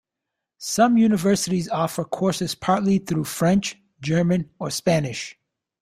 Some universities offer courses partly through French, German or Spanish.